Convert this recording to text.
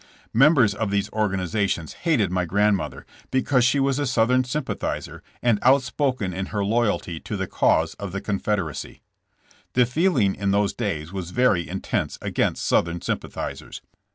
Members of these organizations hated my grandmother because she was a Southern sympathizer and outspoken in her loyalty to the cause of the Con federacy. The feeling in those days was very intense against Southern sympathizers.